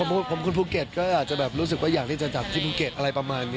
ผมคนภูเก็ตก็อาจจะแบบรู้สึกว่าอยากที่จะจับที่ภูเก็ตอะไรประมาณนี้